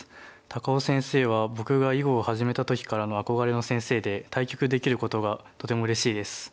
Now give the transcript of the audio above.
高尾先生は僕が囲碁を始めた時からの憧れの先生で対局できることがとてもうれしいです。